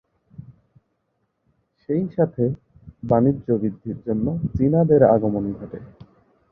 সেই সাথে বাণিজ্য বৃদ্ধির জন্য চীনাদের আগমন ঘটে।